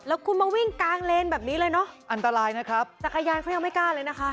แล้วคุณมาวิ่งกลางเลนแบบนี้เลยเนอะอันตรายนะครับจักรยานเขายังไม่กล้าเลยนะคะ